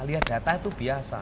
lihat data itu biasa